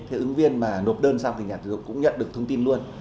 thế ứng viên mà nộp đơn xong thì nhà tuyển dụng cũng nhận được thông tin luôn